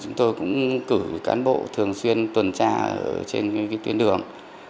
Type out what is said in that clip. chúng tôi cũng cử cán bộ thường xuyên tuần tra trên tuyến đường